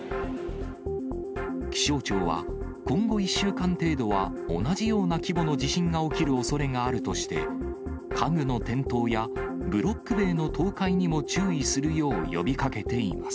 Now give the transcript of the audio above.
気象庁は、今後１週間程度は同じような規模の地震が起きるおそれがあるとして、家具の転倒や、ブロック塀の倒壊にも注意するよう呼びかけています。